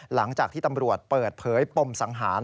หลังจากที่ตำรวจเปิดเผยปมสังหาร